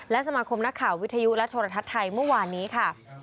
และสมาคมนักข่าววิทยุและโทรทัศน์ไทยเมื่อวานนี้ค่ะ